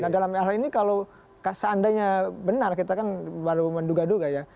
dalam hal ini kalau seandainya benar kita kan baru menduga duga ya